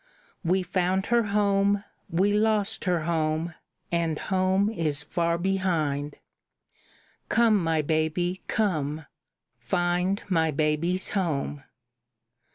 We found her home, we lost her home, and home is far behind. Come, my baby, come! Find my baby's home!"